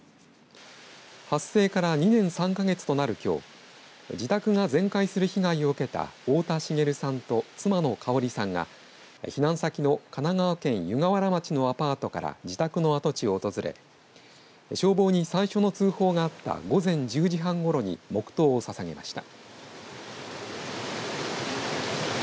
発生から２年３か月となるきょう自宅が全壊する被害を受けた太田滋さんと妻のかおりさんが避難先の神奈川県湯河原町のパートから自宅の跡地を訪れ消防に最初の通報があった午前１０時半ごろに黙とうをささげました。